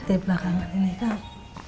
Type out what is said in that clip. di belakangan ini kang